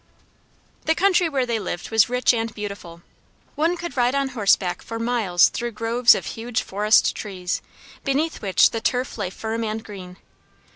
The country where they lived was rich and beautiful. One could ride on horseback for miles through groves of huge forest trees, beneath which the turf lay firm and green.